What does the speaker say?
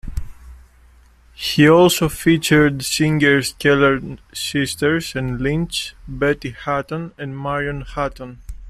He also featured singers Keller Sisters and Lynch, Betty Hutton, and Marion Hutton.